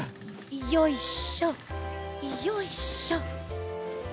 よいしょよいしょ。